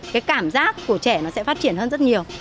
cái cảm giác của trẻ nó sẽ phát triển hơn rất nhiều